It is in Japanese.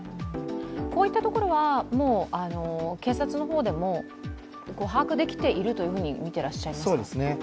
こういったところは、もう警察の方でも把握できていとみてらっしゃいますか？